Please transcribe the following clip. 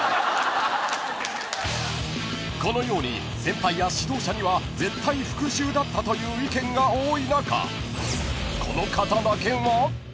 ［このように先輩や指導者には絶対服従だったという意見が多い中この方だけは］